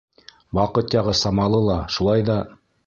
— Ваҡыт яғы самалы ла, шулай ҙа...